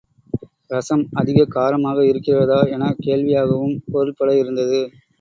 ரசம் அதிக காரமாக இருக்கிறதா? எனக் கேள்வியாகவும் பொருள்பட இருந்தது.